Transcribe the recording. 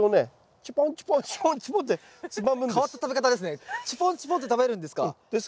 チュポンチュポンッて食べるんですか。